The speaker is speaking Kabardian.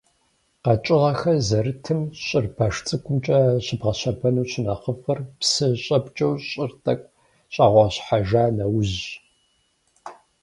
Къэкӏыгъэхэр зэрытым щӏыр баш цӏыкӏукӏэ щыбгъэщэбэну щынэхъыфӏыр псы щӏэпкӏэу щӏыр тӏэкӏу щӏэгъущхьэжа нэужьщ.